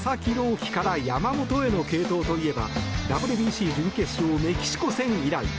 希から山本への継投といえばＷＢＣ準決勝メキシコ戦以来。